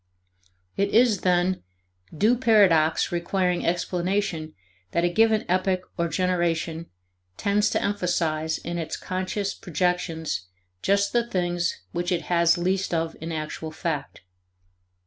It is, then, DO paradox requiring explanation that a given epoch or generation tends to emphasize in its conscious projections just the things which it has least of in actual fact.